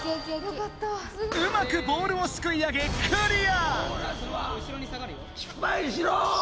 うまくボールをすくいあげクリア！